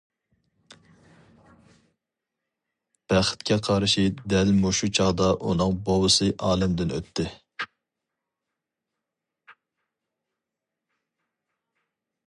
بەختكە قارشى دەل مۇشۇ چاغدا ئۇنىڭ بوۋىسى ئالەمدىن ئۆتتى.